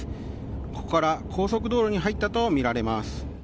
ここから高速道路に入ったとみられます。